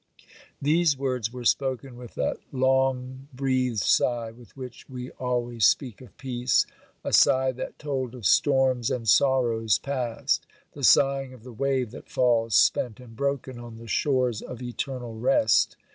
These words were spoken with that long breathed sigh with which we always speak of peace,—a sigh that told of storms and sorrows past,—the sighing of the wave that falls spent and broken on the shores of eternal rest.